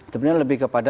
sebenarnya lebih kepada